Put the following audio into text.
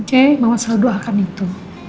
aceh mama selalu doakan itu